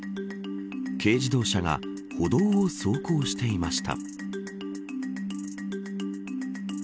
軽自動車が歩道を走行していました。